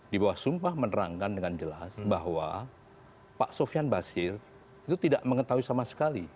di bawah sumpah menerangkan dengan jelas bahwa pak sofian basir itu tidak mengetahui sama sekali